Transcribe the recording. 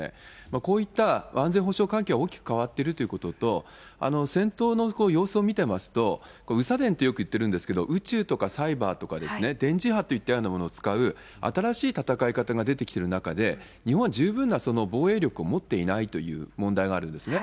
こういった安全保障環境が大きく変わってるってことと、戦闘の様子を見ていますと、宇サ電とよく言ってるんですけれども、宇宙とかサイバーとか電磁波といったようなものを使う、新しい戦い方が出てきてる中で、日本は十分な防衛力を持っていないという問題があるんですね。